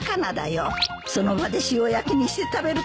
その場で塩焼きにして食べると最高なんだ！